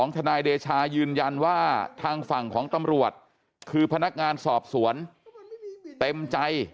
ทนายเดชายืนยันว่าทางฝั่งของตำรวจคือพนักงานสอบสวนเต็มใจ